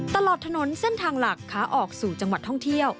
ตลอดถนนเส้นทางหลักขาออกสู่จังหวัดท่องเที่ยว